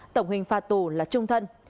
tổng hình phạt tù là trung thân